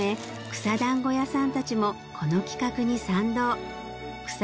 草だんご屋さんたちもこの企画に賛同草